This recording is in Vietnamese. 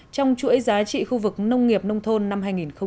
trong chuỗi giá trị khu vực nông nghiệp nông thôn năm hai nghìn một mươi chín